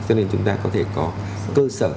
cho nên chúng ta có thể có cơ sở